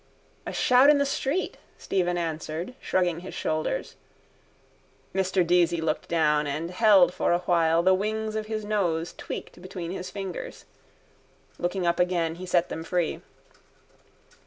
—A shout in the street, Stephen answered, shrugging his shoulders. Mr Deasy looked down and held for awhile the wings of his nose tweaked between his fingers. Looking up again he set them free.